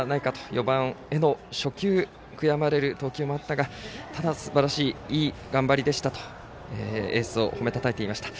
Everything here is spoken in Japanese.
４番への初球悔やまれる投球もあったがただ、すばらしい頑張りでしたとエースを褒め称えていました。